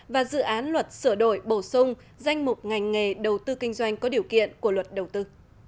và dự án luật sửa đổi bổ sung danh mục ngành nghề đầu tư kinh doanh có điều kiện của luật đầu tư